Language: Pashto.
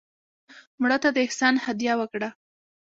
مړه ته د احسان هدیه وکړه